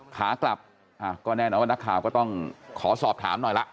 ขากลับก็แน่นอนว่านักข่าวก็ต้องขอสอบถามหน่อยละ